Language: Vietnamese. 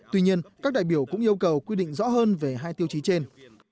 tuy nhiên các đại biểu cũng yêu cầu quy định rõ hơn về hai tiêu chí trên